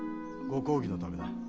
ご公儀のためだ。